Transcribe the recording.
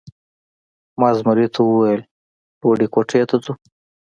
ما زمري ته وویل: لوړ کوټې ته ځو؟